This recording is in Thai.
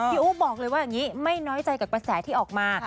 อู๋บอกเลยว่าอย่างนี้ไม่น้อยใจกับกระแสที่ออกมา